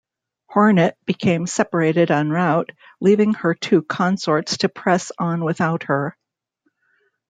"Hornet" became separated en route, leaving her two consorts to press on without her.